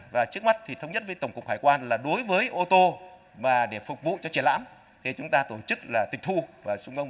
và trước mắt thì thống nhất với tổng cục hải quan là đối với ô tô mà để phục vụ cho triển lãm thì chúng ta tổ chức là tịch thu và sung phong